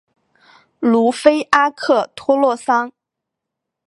鲁菲阿克托洛桑。